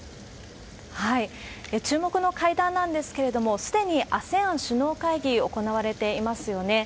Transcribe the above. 注目の会談なんですけれども、すでにＡＳＥＡＮ首脳会議、行われていますよね。